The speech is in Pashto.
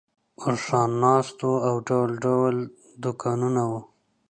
اوښان ناست وو او ډول ډول دوکانونه وو.